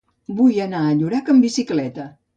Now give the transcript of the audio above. Vull anar a Llorac amb bicicleta.